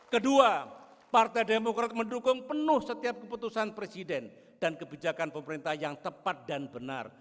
kedua partai demokrat mendukung penuh setiap keputusan presiden dan kebijakan pemerintah yang tepat dan benar